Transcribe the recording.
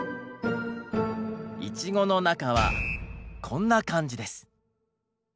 イチゴの中はこんな感じです。